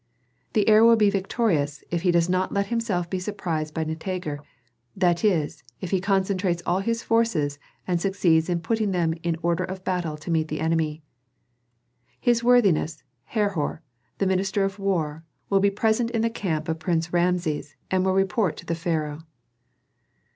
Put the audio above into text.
"The heir will be victorious if he does not let himself be surprised by Nitager, that is, if he concentrates all his forces and succeeds in putting them in order of battle to meet the enemy. "His worthiness Herhor, the minister of war, will be present in the camp of Prince Rameses, and will report to the pharaoh."